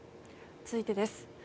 続いてです。